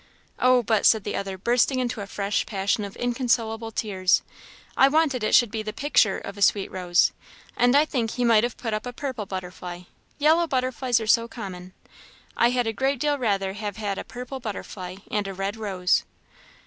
"Oh, but," said the other, bursting out into a fresh passion of inconsolable tears; "I wanted it should be the picture of a sweet rose! And I think he might have put a purple butterfly yellow butterflies are so common! I had a great deal rather have had a purple butterfly and a red rose!"